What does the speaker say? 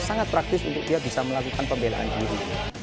sangat praktis untuk dia bisa melakukan pembelaan diri